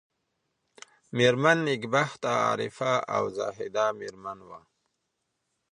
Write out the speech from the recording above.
مېرمن نېکبخته عارفه او زاهده مېرمن وه.